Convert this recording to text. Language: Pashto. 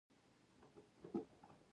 د ژمي روخصت پېل شو